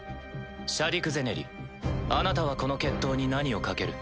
シャディク・ゼネリあなたはこの決闘に何を賭ける？